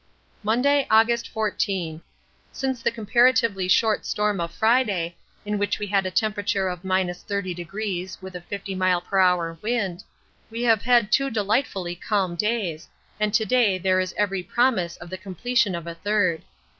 Monday, August 14. Since the comparatively short storm of Friday, in which we had a temperature of 30° with a 50 m.p.h. wind, we have had two delightfully calm days, and to day there is every promise of the completion of a third.